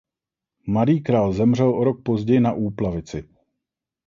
Mladý král zemřel o rok později na úplavici.